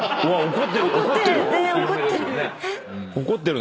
怒ってる。